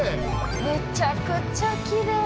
めちゃくちゃきれい。